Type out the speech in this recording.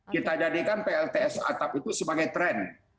kita jadikan plts atap itu sebagai tren